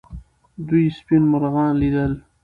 دوی سپین مرغان لیدل.